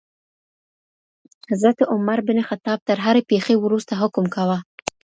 حضرت عمر بن خطاب تر هرې پېښي وروسته حکم کاوه.